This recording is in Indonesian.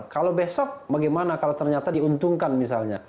kalau besok bagaimana kalau ternyata diuntungkan misalnya